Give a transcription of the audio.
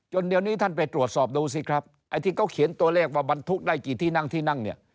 เดี๋ยวนี้ท่านไปตรวจสอบดูสิครับไอ้ที่เขาเขียนตัวเลขว่าบรรทุกได้กี่ที่นั่งที่นั่งเนี่ย